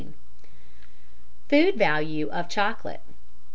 ] _Food Value of Chocolate.